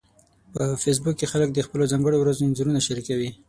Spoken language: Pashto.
په فېسبوک کې خلک د خپلو ځانګړو ورځو انځورونه شریکوي